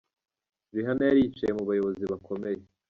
Rihanna yari yicaye mu bayobozi bakomeye.